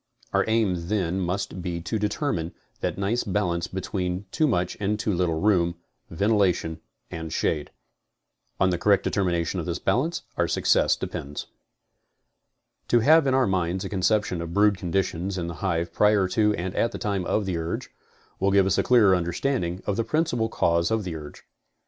Our aim then must be to determine that nice balance between too much and too little room, ventilation and shade. On the correct determination of this balance our success depends. To have in our minds a conception of brood conditions in the hive prior to and at the time of the urge, will give us a clearer understanding of the principal cause of the urge.